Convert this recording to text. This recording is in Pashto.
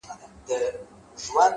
خپلواکي له مسؤلیت سره مل ده!